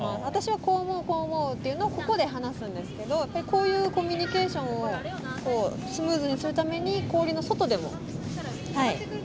私はこう思うこう思うっていうのをここで話すんですけどこういうコミュニケーションをこうスムーズにするために氷の外でもはい。